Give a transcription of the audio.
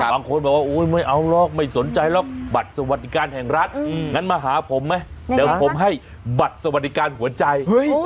บางคนบอกว่าไม่เอาหรอกไม่สนใจหรอกบัตรสวัสดิการแห่งรัฐงั้นมาหาผมไหมเดี๋ยวผมให้บัตรสวัสดิการหัวใจ